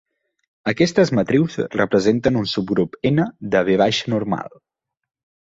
Aquestes matrius representen un subgrup "N" de "V" normal.